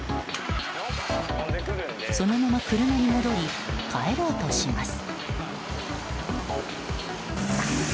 そのまま車に戻り帰ろうとします。